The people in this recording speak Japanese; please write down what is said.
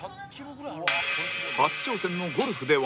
初挑戦のゴルフでは